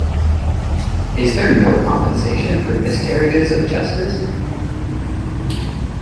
Is there no compensation for miscarriages of justice?